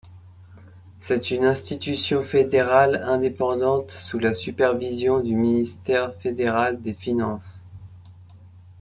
C'est une institution fédérale indépendante sous la supervision du Ministère fédéral des Finances.